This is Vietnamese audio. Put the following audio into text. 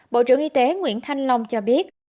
bộ trưởng y tế nguyễn thanh long cho biết